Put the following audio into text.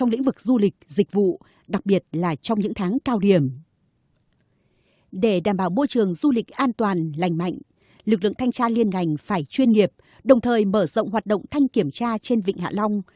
lực lượng thanh tra liên ngành phải chuyên nghiệp đồng thời mở rộng hoạt động thanh kiểm tra trên vịnh hạ long